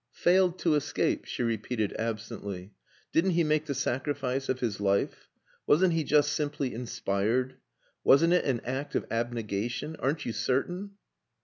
"Failed to escape," she repeated absently. "Didn't he make the sacrifice of his life? Wasn't he just simply inspired? Wasn't it an act of abnegation? Aren't you certain?"